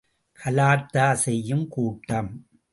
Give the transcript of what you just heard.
கலாட்டா செய்யும் கூட்டம்!